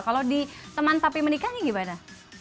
kalau di teman tapi menikahnya gimana